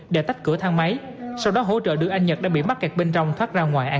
để tách cửa thang máy sau đó hỗ trợ đưa anh nhật đã bị mắc kẹt bên trong thoát ra ngoài an toàn